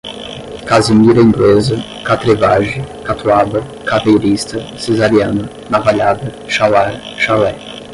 casimira inglesa, catrevage, catuaba, caveirista, cesariana, navalhada, chalar, chalé